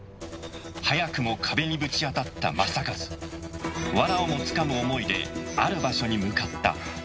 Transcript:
早くも壁にぶち当たった正一わらをもつかむ思いである場所に向かった